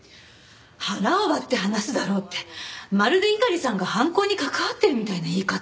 腹を割って話すだろうってまるで猪狩さんが犯行に関わってるみたいな言い方。